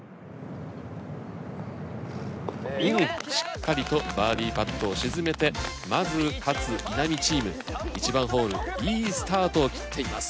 うんしっかりとバーディパットを沈めてまず勝・稲見チーム１番ホールいいスタートを切っています。